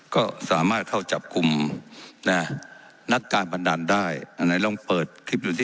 ก็สามารถเข้าจับกลุ่มนะนักการพนันได้อันไหนลองเปิดคลิปดูสิ